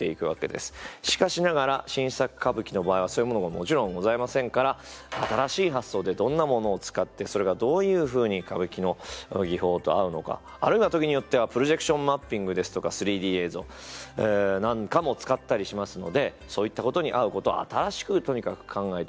しかしながら新作歌舞伎の場合はそういうものがもちろんございませんから新しい発想でどんなものを使ってそれがどういうふうに歌舞伎の技法と合うのかあるいは時によってはプロジェクションマッピングですとか３Ｄ映像なんかも使ったりしますのでそういったことに合うことを新しくとにかく考えて。